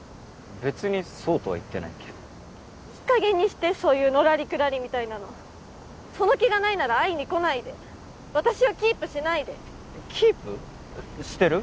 別にそうとは言ってないけどいい加減にしてそういうのらりくらりみたいなのその気がないなら会いにこないで私をキープしないでキープ？してる？